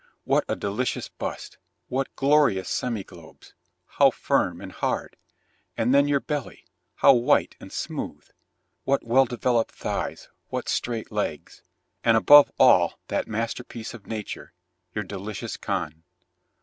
What a delicious bust, what glorious semiglobes, how firm and hard, and then your belly, how white and smooth! What well developed thighs, what straight legs, and above all that masterpiece of nature your delicious con.